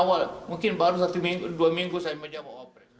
dua ribu empat awal mungkin baru satu minggu dua minggu saya menjawab